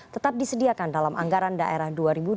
tetap disediakan dalam anggaran daerah dua ribu dua puluh